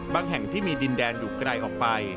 แห่งที่มีดินแดนอยู่ไกลออกไป